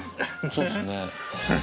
そうですね。